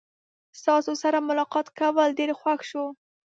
ستاسو سره ملاقات کول ډیر خوښ شو.